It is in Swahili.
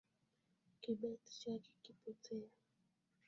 Kibeti chake kimepotea